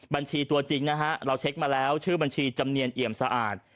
บัญชีตัวจริงนะฮะเราเช็คมาแล้วชื่อบัญชีจำเนียนเอี่ยมสะอาด